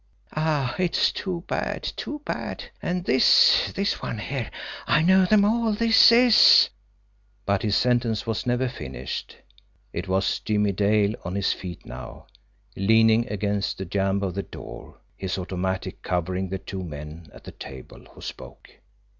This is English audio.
Ah, it is too bad too bad! And this, this one here, I know them all, this is " But his sentence was never finished it was Jimmie Dale, on his feet now, leaning against the jamb of the door, his automatic covering the two men at the table, who spoke.